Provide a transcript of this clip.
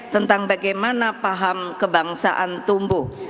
tentang bagaimana paham kebangsaan tumbuh